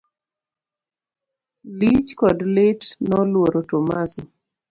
Lich kod lit noluoro Tomaso.